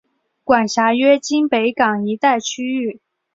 管辖约今北港一带区域。